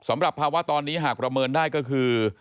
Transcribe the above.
สำหรับภาวะตอนนี้หากประเมินได้ก็คือ